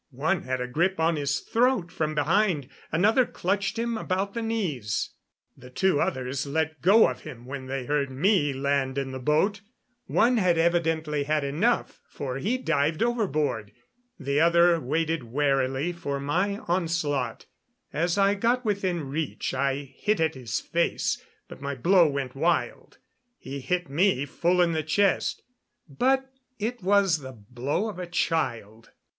One had a grip on his throat from behind; another clutched him about the knees. The two others let go of him when they heard me land in the boat. One had evidently had enough, for he dived overboard. The other waited warily for my onslaught. As I got within reach I hit at his face, but my blow went wild. He hit me full in the chest, but it was the blow of a child.